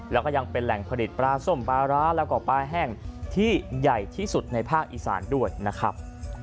แล้วก็ยังเป็นแหล่งผลิตปลาส้มปลาร้าแล้วก็ปลาแห้งที่ใหญ่ที่สุดในภาคอีสานด้วยนะครับ